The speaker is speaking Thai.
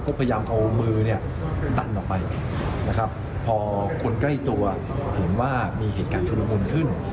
ก็พยายามเอามือเนี่ยดันออกไปนะครับพอคนใกล้ตัวเห็นว่ามีเหตุการณ์ชุลมุนขึ้น